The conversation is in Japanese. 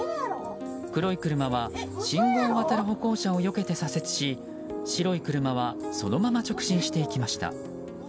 黒い車は信号を渡る歩行者をよけて左折し白い車はそのまま直進していきました。